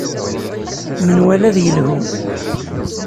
Menwala ad yelhu.